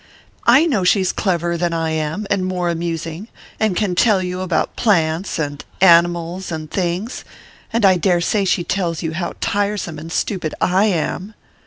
"I know she's cleverer than I am, and more amusing, and can tell you about plants and animals and things...and I daresay she tells you how tiresome and stupid I am...."